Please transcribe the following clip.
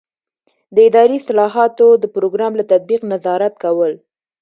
د اداري اصلاحاتو د پروګرام له تطبیق نظارت کول.